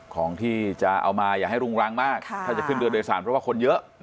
ของที่จะเอามาอย่าให้รุงรังมากถ้าจะขึ้นเรือโดยสารเพราะว่าคนเยอะ